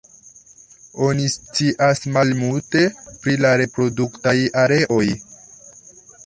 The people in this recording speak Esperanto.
Oni scias malmulte pri la reproduktaj areoj.